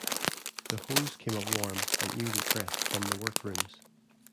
The hose came up warm and newly pressed from the workrooms.